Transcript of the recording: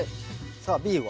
さあＢは？